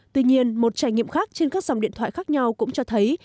tuy nhiên một trải nghiệm khác trên các dòng điện thoại khác nhau cũng cho thấy